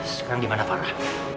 sekarang gimana farah